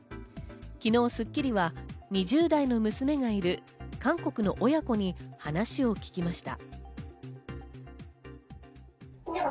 昨日『スッキリ』は２０代の娘がいる韓国の親子に話を聞きました。